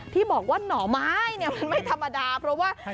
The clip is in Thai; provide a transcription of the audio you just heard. ที่บอกว่าหน่อไม้เนี่ยมันไม่ธรรมดาเพราะว่า